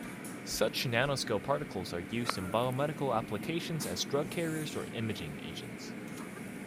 Such nanoscale particles are used in biomedical applications as drug carriers or imaging agents.